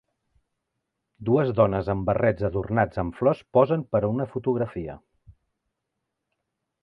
Dues dones amb barrets adornats amb flors posen per a una fotografia.